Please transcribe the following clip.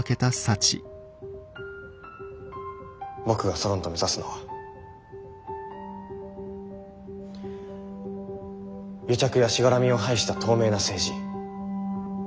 僕がソロンと目指すのは癒着やしがらみを排した透明な政治。